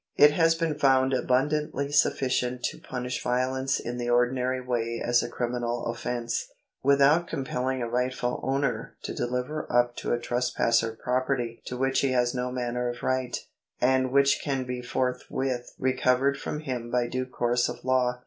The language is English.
It has been found abundantly sufficient to punish violence in the ordinary way as a criminal offence, without compelling a rightful owner to deliver up to a tres passer property to which he has no manner of right, and which can be forthwith recovered from him by due course of law.